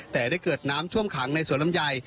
แต่ได้เกิดน้ำท่วมขังในสวนลำไย